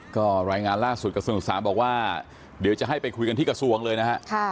ก็รายงานล่าสุดกระทรวงศึกษาบอกว่าเดี๋ยวจะให้ไปคุยกันที่กระทรวงเลยนะฮะ